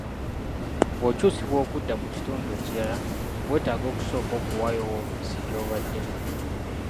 Bw'okyusibwa okudda mu kitundu ekirala, weetaaga okusooka okuwaayo woofiisi gy'obaddemu.